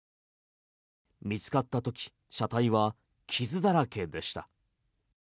見つかった時車体は傷だらけでした。